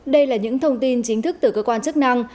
đây là những thông tin chính thức từ cơ quan chức năng